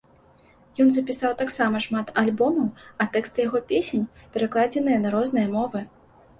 Ён запісаў таксама шмат альбомаў, а тэксты яго песень перакладзеныя на розныя мовы.